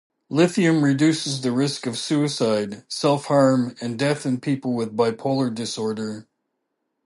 Lithium reduces the risk of suicide, self-harm, and death in people with bipolar disorder.